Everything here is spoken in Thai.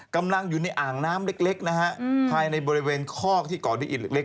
กำลังอยู่ในอ่างน้ำเล็กนะฮะภายในบริเวณคอกที่เกาะด้วยอิดเล็ก